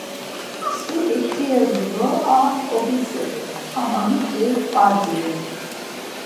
Mskverik ti ezdu do a oǩitzǩedu ama miti var dziru.